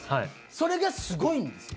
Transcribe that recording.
それがすごいんですよ。